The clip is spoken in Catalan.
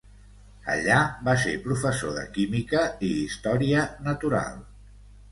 Allà va ser professor de química i història natural.